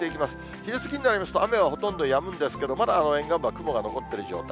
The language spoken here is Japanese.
昼過ぎになりますと、ほとんどやむんですけど、まだ沿岸部は雲が残ってる状態。